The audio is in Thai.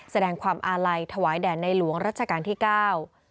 แสดงความอาลัยถวายแด่ในหลวงรัชกาลที่เก้า